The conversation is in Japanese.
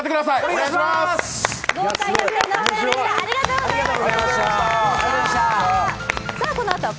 お願いしまー３す。